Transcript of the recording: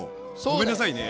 ごめんなさいね。